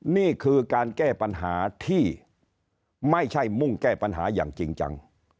นี่คือการแก้ปัญหาที่ไม่ใช่มุ่งแก้ปัญหาอย่างจริงจัง